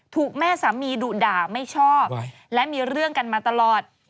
ถูกแม่สามีดุด่าไม่ชอบและมีเรื่องกันมาตลอด